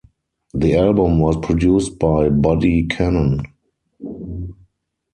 The album was produced by Buddy Cannon.